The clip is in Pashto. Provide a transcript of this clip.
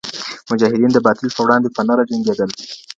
مجاهدین د باطل په وړاندي په نره جنګېدل.